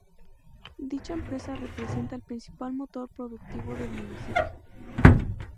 Dicha empresa representa el principal motor productivo del municipio.